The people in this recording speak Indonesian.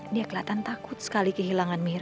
dia kelihatan takut sekali kehilangan mira